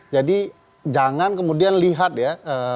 jadi jangan kemudian lihat ya